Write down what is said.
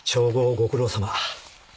ご苦労さま